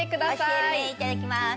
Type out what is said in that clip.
いただきます。